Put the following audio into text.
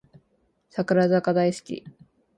櫻坂大好き